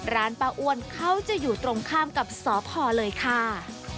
ร้านป้าอ้วนเขาจะอยู่ตรงข้ามกับสพเลยค่ะ